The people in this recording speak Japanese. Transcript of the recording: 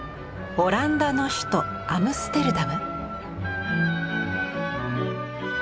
オランダの首都アムステルダム。